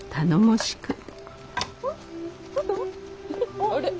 あれ？